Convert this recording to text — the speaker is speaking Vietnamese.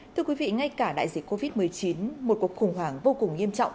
thưa quý vị ngay cả đại dịch covid một mươi chín một cuộc khủng hoảng vô cùng nghiêm trọng